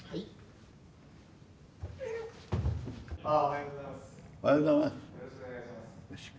はい。